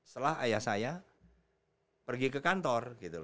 setelah ayah saya pergi ke kantor